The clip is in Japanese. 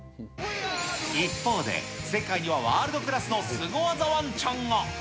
一方で、世界にはワールドクラスのスゴ技ワンちゃんが。